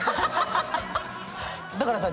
だからさ。